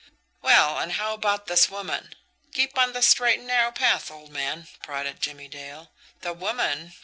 "Well, and how about this woman? Keep on the straight and narrow path, old man," prodded Jimmie Dale. "The woman?"